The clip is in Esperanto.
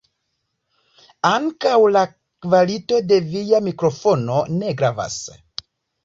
Ankaŭ la kvalito de via mikrofono ne gravas.